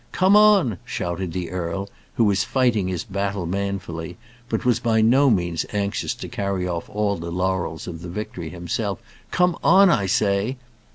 "Come on!" shouted the earl, who was fighting his battle manfully, but was by no means anxious to carry off all the laurels of the victory himself. "Come on, I say!"